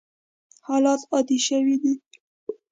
حالات عادي شوي دي.